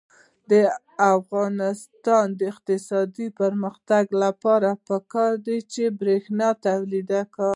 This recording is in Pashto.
د افغانستان د اقتصادي پرمختګ لپاره پکار ده چې برښنا تولید شي.